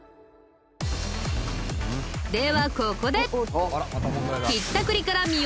ではここで。